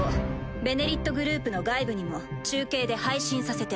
「ベネリット」グループの外部にも中継で配信させて。